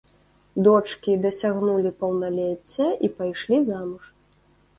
Дочкі дасягнулі паўналецця і пайшлі замуж.